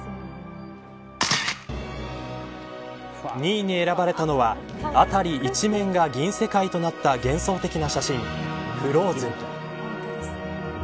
２位に選ばれたのは辺り一面が銀世界となった幻想的な写真、フローズン。